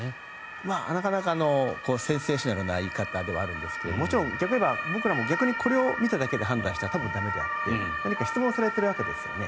なかなかセンセーショナルな言い方ではあるんですがもちろん逆に言えば僕らも逆にこれを見ただけで判断しては多分、駄目で何か質問されているわけですよね。